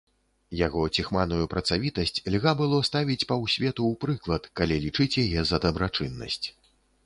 Яго ціхманую працавітасць льга было ставіць паўсвету ў прыклад, калі лічыць яе за дабрачыннасць.